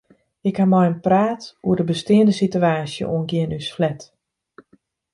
Ik ha mei him praat oer de besteande sitewaasje oangeande ús flat.